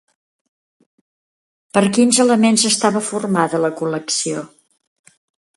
Per quins elements estava formada la col·lecció?